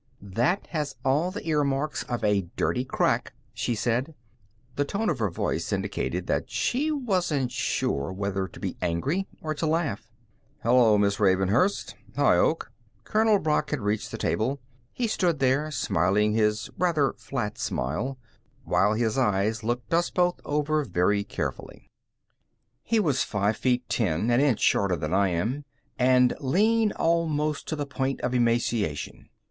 "That has all the earmarks of a dirty crack," she said. The tone of her voice indicated that she wasn't sure whether to be angry or to laugh. "Hello, Miss Ravenhurst; Hi, Oak." Colonel Brock had reached the table. He stood there, smiling his rather flat smile, while his eyes looked us both over carefully. He was five feet ten, an inch shorter than I am, and lean almost to the point of emaciation.